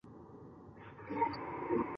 中山王国琉球群岛三山时代的一个国家。